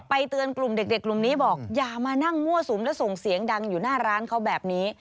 เตือนกลุ่มเด็กกลุ่มนี้บอกอย่ามานั่งมั่วสุมและส่งเสียงดังอยู่หน้าร้านเขาแบบนี้